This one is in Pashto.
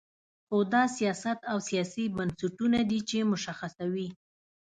خو دا سیاست او سیاسي بنسټونه دي چې مشخصوي.